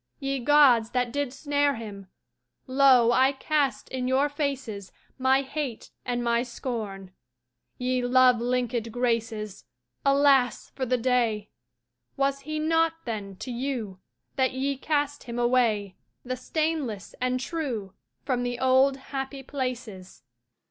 Ye Gods that did snare him, Lo, I cast in your faces My hate and my scorn! Ye love linkèd Graces, (Alas for the day!) Was he naught, then, to you, That ye cast him away, The stainless and true, From the old happy places?